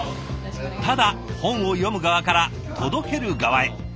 ただ本を読む側から届ける側へ。